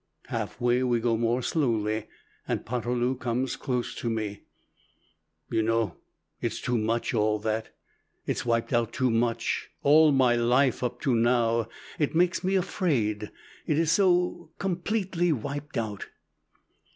Half way, we go more slowly, and Poterloo comes close to me "You know, it's too much, all that. It's wiped out too much all my life up to now. It makes me afraid it is so completely wiped out."